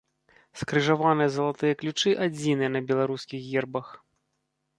Скрыжаваныя залатыя ключы адзіныя на беларускіх гербах.